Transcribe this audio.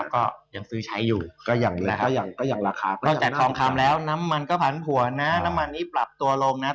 ก็ยังซื้อใช้อยู่คุณฟังต้องแต่ความคำแล้ว